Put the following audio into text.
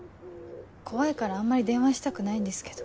怖いからあんまり電話したくないんですけど。